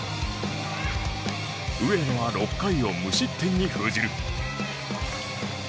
上野は６回を無失点に封じる。